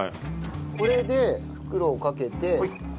これで袋をかけて発酵。